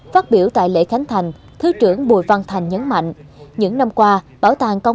phát biểu tại lễ khánh thành thứ trưởng bùi văn thành nhấn mạnh những năm qua